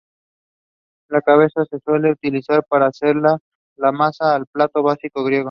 La cebada se suele utilizar para hacer la "maza", el plato básico griego.